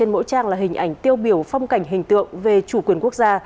mỗi trang là hình ảnh tiêu biểu phong cảnh hình tượng về chủ quyền quốc gia